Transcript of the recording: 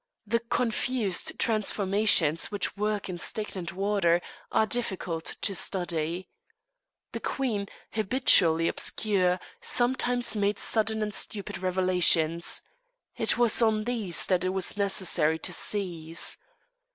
The confused transformations which work in stagnant water are difficult to study. The queen, habitually obscure, sometimes made sudden and stupid revelations. It was on these that it was necessary to seize.